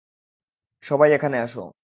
সবাই, এখানে আসো।